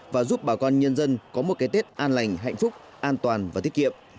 và giúp bà con nhân dân có một cái tết an lành hạnh phúc an toàn và tiết kiệm